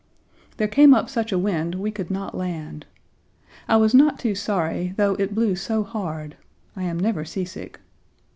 There came up such a wind we could not land. I was not too sorry, though it blew so hard (I am never seasick).